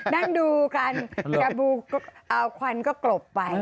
นั่งดูกันจะเอาควันก็กลบไป